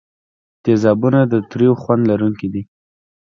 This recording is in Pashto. تیزابونه د تریو خوند لرونکي دي.